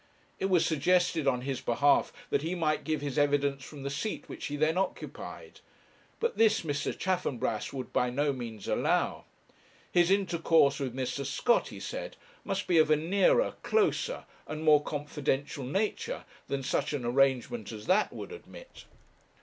It was suggested, on his behalf, that he might give his evidence from the seat which he then occupied, but this Mr. Chaffanbrass would by no means allow. His intercourse with Mr. Scott, he said, must be of a nearer, closer, and more confidential nature than such an arrangement as that would admit.